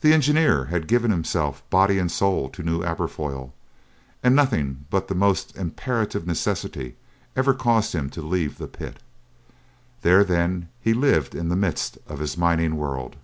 The engineer had given himself body and soul to New Aberfoyle, and nothing but the most imperative necessity ever caused him to leave the pit. There, then, he lived in the midst of his mining world.